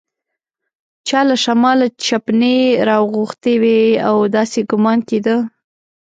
چا له شماله چپنې راغوښتي وې او داسې ګومان کېده.